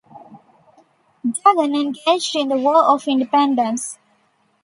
Duggan engaged in the War of Independence.